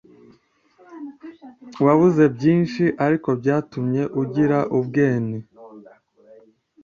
wabuze byinshi ariko byatumye ugira ubwene